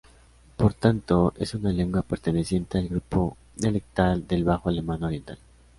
Por tanto, es una lengua perteneciente al grupo dialectal del bajo alemán oriental.